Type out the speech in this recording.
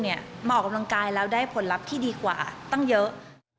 มาออกกำลังกายแล้วได้ผลลัพธ์ที่ดีกว่าตั้งเยอะ